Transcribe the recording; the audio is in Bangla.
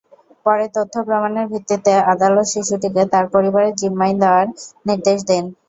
পরে তথ্য-প্রমাণের ভিত্তিতে আদালত শিশুটিকে তার পরিবারের জিম্মায় দেওয়ার নির্দেশ দেন।